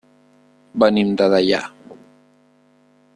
Venim de Deià.